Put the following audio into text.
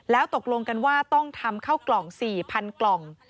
แล้วตกลงกันว่าต้องทำเข้ากล่อง๔๐๐๐กล่อง